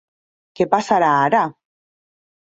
Què passarà ara?